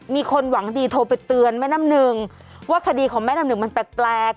มีคนหวังดีโทรไปเตือนแม่น้ำหนึ่งว่าคดีของแม่น้ำหนึ่งมันแปลก